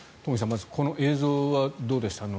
まずこの映像はどうでした？